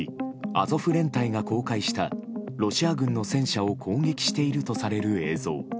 アゾフ連隊が公開したロシア軍の戦車を攻撃しているとされる映像。